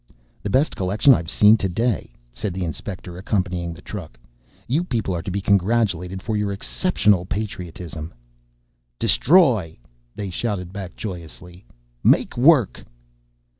"The best collection I have seen today," said the inspector accompanying the truck. "You people are to be congratulated for your exceptional patriotism." "Destroy!" they shouted back joyously. "Make work!"